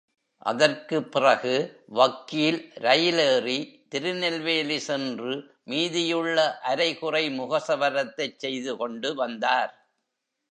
அதற்கு பிறகு, வக்கீல் ரயில் ஏறி திருநெல்வேலி சென்று மீதியுள்ள அரைகுறை முகசவரத்தைச் செய்து கொண்டு வந்தார்.